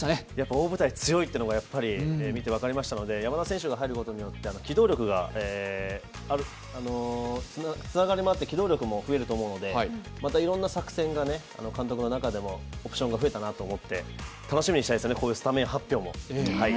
大舞台強いというのが見て分かりましたので山田選手が入ることによってつながりまして、機動力が増えると思うのでいろんな作戦が監督の中でもオプションが増えたなと思って楽しみにしたいですね、こういうスタメン発表も。